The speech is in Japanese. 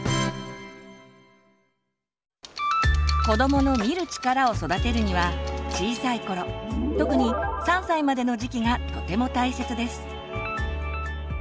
子どもの「見る力」を育てるには小さい頃特に３歳までの時期がとても大切です。